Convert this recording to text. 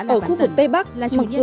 ở khu vực tây bắc mặc dù